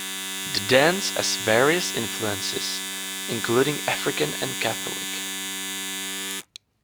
The dance as various influences including African and Catholic.